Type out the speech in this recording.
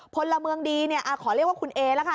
พลเมืองดีเนี่ยขอเรียกว่าคุณเอแล้วค่ะ